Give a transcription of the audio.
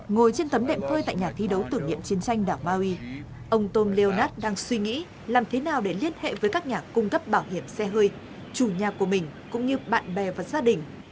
ngồi trên tấm đệm phơi tại nhà thi đấu tử nghiệm chiến tranh đảo maui ông tom leonas đang suy nghĩ làm thế nào để liên hệ với các nhà cung cấp bảo hiểm xe hơi chủ nhà của mình cũng như bạn bè và gia đình